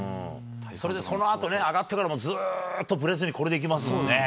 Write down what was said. それでそのあと上がってからも、ずーっとぶれずに、これで行きますもんね。